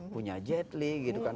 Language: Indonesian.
punya jet li gitu kan